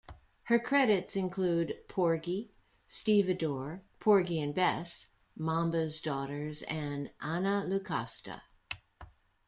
Her credits include "Porgy", "Stevedore", "Porgy and Bess", "Mamba's Daughters" and "Anna Lucasta".